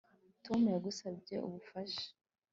Tom yagusabye ubufasha